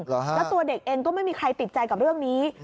แล้วตัวเด็กเองก็ไม่มีใครติดใจกับเรื่องนี้